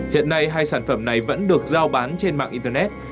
hiện nay hai sản phẩm này vẫn được giao bán trên mạng internet